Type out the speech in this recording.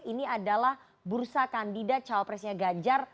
ini adalah bursa kandidat calon presnya ganjar